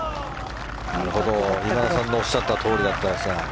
今田さんのおっしゃったとおりだったんですが。